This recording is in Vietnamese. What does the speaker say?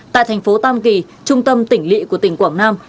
tại thành phố tam kỳ trung tâm tỉnh lị của tỉnh quảng nam